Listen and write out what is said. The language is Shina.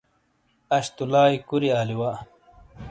اش تو لائی کُوری آلی وا ۔